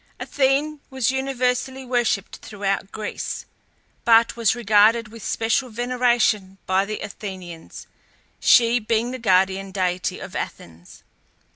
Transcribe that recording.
Athene was universally worshipped throughout Greece, but was regarded with special veneration by the Athenians, she being the guardian deity of Athens.